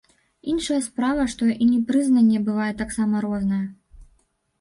Іншая справа што і непрызнанне бывае таксама рознае.